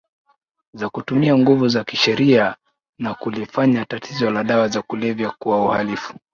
za kutumia nguvu za kisheria na kulifanya tatizo la dawa za kulevya kuwa uhalifu